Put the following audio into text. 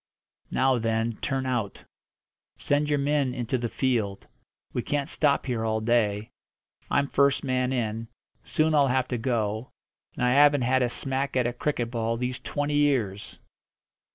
"Now then, turn out. Send your men into the field. We can't stop here all day. I'm first man in; soon I'll have to go, and I haven't had a smack at a cricket ball these twenty years!"